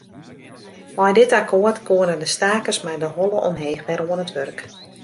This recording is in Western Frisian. Mei dit akkoart koenen de stakers mei de holle omheech wer oan it wurk.